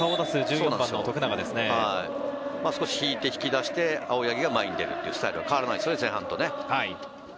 少し引いて、引き出して、青柳が前に出るというスタイルは変わらないですね、前半と。